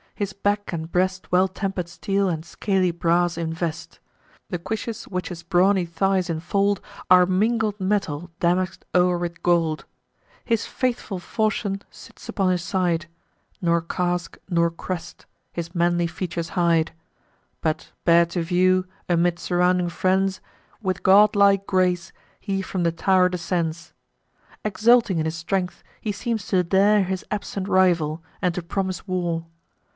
His back and breast Well temper'd steel and scaly brass invest: The cuishes which his brawny thighs infold Are mingled metal damask'd o'er with gold. His faithful falchion sits upon his side; Nor casque, nor crest, his manly features hide: But, bare to view, amid surrounding friends, With godlike grace, he from the tow'r descends. Exulting in his strength, he seems to dare His absent rival, and to promise war.